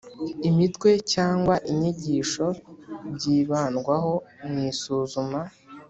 Imitwe cyangwa inyigisho byibandwaho mu isuzuma;